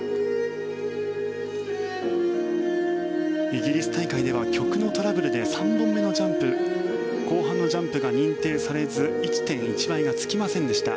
イギリス大会では曲のトラブルで３本目のジャンプ後半のジャンプが認定されず１．１倍がつきませんでした。